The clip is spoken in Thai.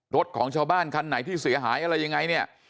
รถของชาวบ้านคันไหนที่เสียหายอะไรยังไงเนี่ย